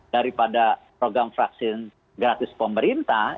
daripada program vaksin gratis pemerintah